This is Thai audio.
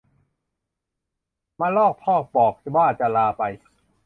มะลอกทอกบอกว่าจะลาไป